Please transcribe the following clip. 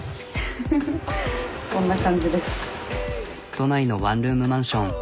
都内のワンルームマンション。